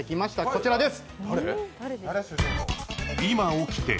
こちらです。